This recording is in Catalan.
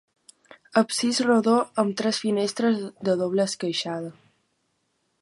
Absis rodó amb tres finestres de doble esqueixada.